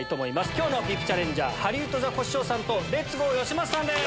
今日のＶＩＰチャレンジャーハリウッドザコシショウさんとレッツゴーよしまささんです。